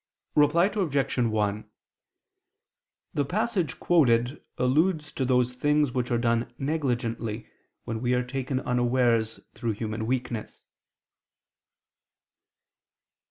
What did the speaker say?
Reply Obj. 1: The passage quoted alludes to those things which are done negligently when we are taken unawares through human weakness.